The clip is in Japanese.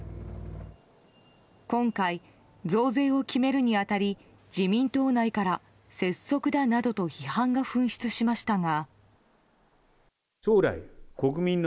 今回、増税を決めるに当たり自民党内から拙速だなどと批判が噴出しましたが。